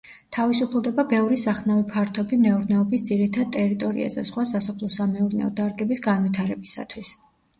თავისუფლდება ბევრი სახნავი ფართობი მეურნეობის ძირითად ტერიტორიაზე სხვა სასოფლო-სამეურნეო დარგების განვითარებისათვის.